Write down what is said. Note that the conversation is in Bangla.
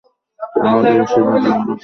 আমাদের বেশিরভাগই ইউরোপ থেকে এসেছি।